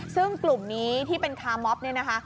ซึ่งกลุ่มนี้ที่เป็นคาร์มอฟเนี่ยนะคะ